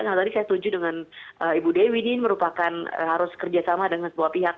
karena tadi saya setuju dengan ibu dewi ini merupakan harus kerja sama dengan sebuah pihak